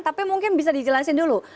tapi mungkin bisa dijelasin dulu